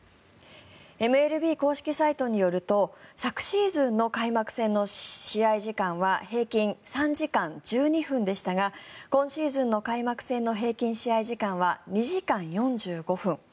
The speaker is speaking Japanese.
ＭＬＢ公式サイトによると昨シーズンの開幕戦の試合時間は平均３時間１２分でしたが今シーズンの開幕戦の平均試合時間は２時間４５分。